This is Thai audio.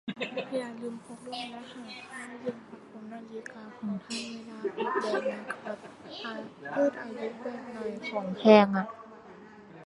อย่าลืมพกร่มและหาผ้าเย็นประคบนาฬิกาของท่านเวลาออกแดดนะครับ ยืดอายุแบตหน่อย ของแพงอ่ะ